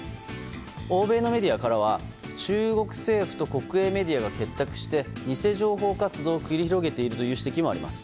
欧米のメディアからは中国政府と国営メディアが結託して偽情報活動を繰り広げているという指摘もあります。